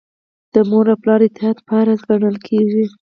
د مور او پلار اطاعت فرض ګڼل کیږي.